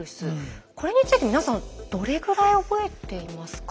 これについて皆さんどれぐらい覚えていますか？